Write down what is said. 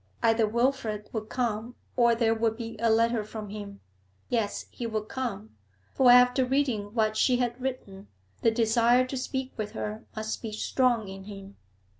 Either Wilfrid would come or there would be a letter from him; yes, he would come; for, after reading what she had written, the desire to speak with her must be strong in him.